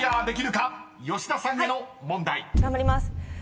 頑張ります。